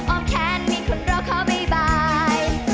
ออมแค้นมีคนรอเขาบ่ายบ่าย